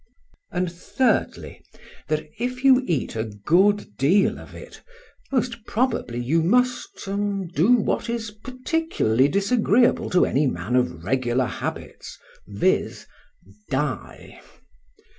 And thirdly, that if you eat a good deal of it, most probably you must do what is particularly disagreeable to any man of regular habits, viz., die.